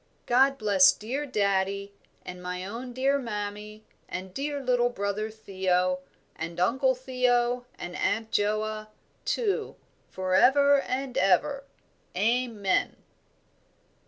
"God bless dear daddie, and my own dear mammie and dear little brother Theo, and Uncle Theo and Aunt Joa, too, for ever and ever. Amen."